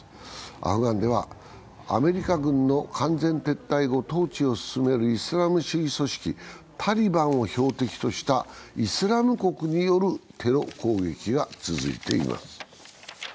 アフガンではアメリカ軍の完全撤退後、統治を進めるイスラム主義組織タリバンを標的としたイスラム国によるテロ攻撃が続いています。